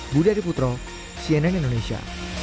budi adiputro cnn indonesia